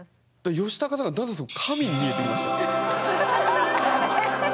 ヨシタカさんがだんだん神に見えてきました。